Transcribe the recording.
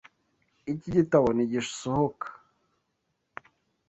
Iki gitabo ntigisohoka.